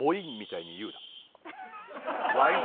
「ワイン」？